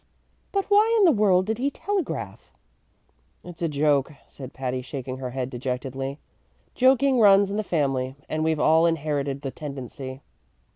"But why in the world did he telegraph?" "It's a joke," said Patty, shaking her head dejectedly. "Joking runs in the family, and we've all inherited the tendency.